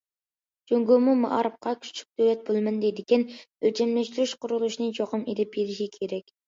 جۇڭگومۇ مائارىپتا كۈچلۈك دۆلەت بولىمەن دەيدىكەن، ئۆلچەملەشتۈرۈش قۇرۇلۇشىنى چوقۇم ئېلىپ بېرىشى كېرەك.